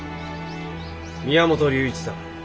宮本龍一さん